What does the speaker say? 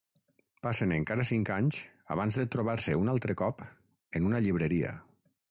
Passen encara cinc anys abans de trobar-se un altre cop, en una llibreria.